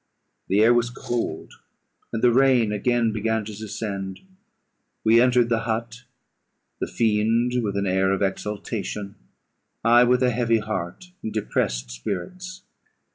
The air was cold, and the rain again began to descend: we entered the hut, the fiend with an air of exultation, I with a heavy heart, and depressed spirits.